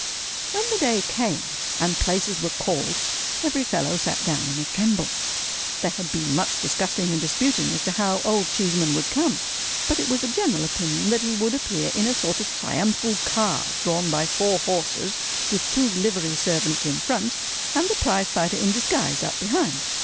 When the day came, and Places were called, every fellow sat down in a tremble. There had been much discussing and disputing as to how Old Cheeseman would come; but it was the general opinion that he would appear in a sort of triumphal car drawn by four horses, with two livery servants in front, and the Prizefighter in disguise up behind.